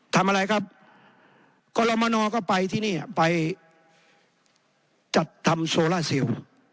ทำอะไรครับกรมนก็ไปที่นี่ไปจัดทำโซล่าซิล